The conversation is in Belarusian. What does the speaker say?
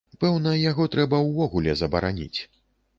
Пэўна, яго трэба ўвогуле забараніць.